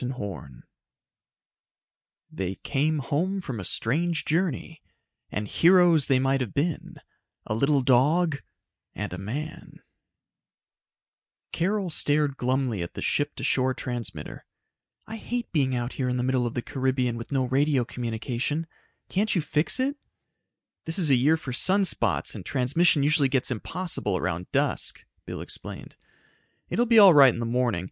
net They came home from a strange journey.... And heroes they might have been a little dog and a man! [Illustration: Illustrated by Ed Emsh] BY ANDERSEN HORNE The DAY OF THE DOG Carol stared glumly at the ship to shore transmitter. "I hate being out here in the middle of the Caribbean with no radio communication. Can't you fix it?" "This is a year for sun spots, and transmission usually gets impossible around dusk," Bill explained. "It will be all right in the morning.